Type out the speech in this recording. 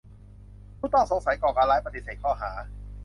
ผู้ต้องสงสัยก่อการร้ายปฏิเสธข้อหา